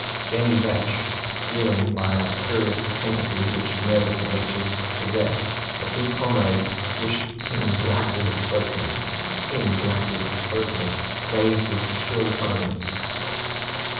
Jemmy Vetch, feeling, by that curious sympathy which nervous natures possess, that his comrades wished him to act as spokesman, raised his shrill tones.